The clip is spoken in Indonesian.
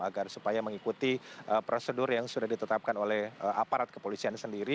agar supaya mengikuti prosedur yang sudah ditetapkan oleh aparat kepolisian sendiri